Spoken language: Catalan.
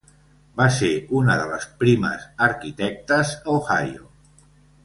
Va ser una de les primes arquitectes a Ohio.